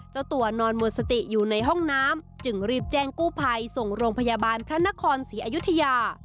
เจ้าตัวนอนหมดสติอยู่ในห้องน้ำจึงรีบแจ้งกู้ภัยส่งโรงพยาบาลพระนครศรีอยุธยา